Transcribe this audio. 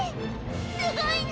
すごいね！